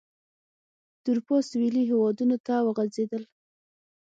د اروپا سوېلي هېوادونو ته وغځېدل.